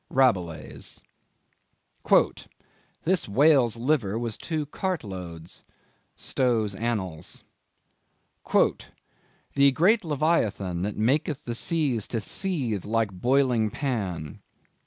—Rabelais. "This whale's liver was two cartloads." —Stowe's Annals. "The great Leviathan that maketh the seas to seethe like boiling pan."